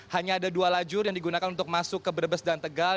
hanya ada dua lajur yang digunakan untuk masuk ke brebes dan tegal